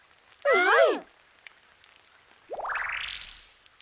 はい！